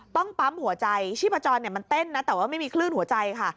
ปั๊มหัวใจชีพจรมันเต้นนะแต่ว่าไม่มีคลื่นหัวใจค่ะ